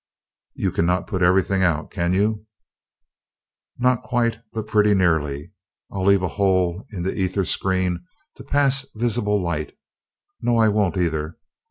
"You cannot put everything out, can you?" "Not quite, but pretty nearly, I'll leave a hole in the ether screen to pass visible light no, I won't either.